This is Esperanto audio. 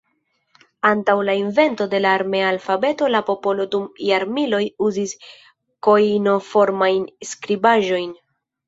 Antaŭ la invento de la armena alfabeto la popolo dum jarmiloj uzis kojnoformajn skribaĵojn.